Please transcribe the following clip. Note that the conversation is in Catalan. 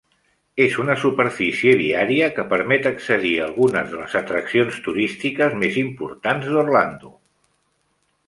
És una superfície viària que permet accedir a algunes de les atraccions turístiques més importants d'Orlando.